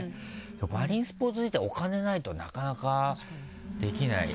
マリンスポーツ自体お金ないとなかなかできない。